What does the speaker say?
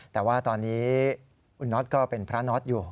แต่ว่าตอนนี้คุณน็อตก็เป็นพระน็อตอยู่